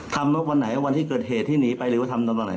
ว่าวันไหนวันที่เกิดเหตุที่หนีไปหรือว่าทำตอนไหน